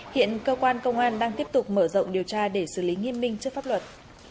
hiện cơ quan công an đang tiếp tục mở rộng điều tra để xử lý nghiêm minh trước pháp luật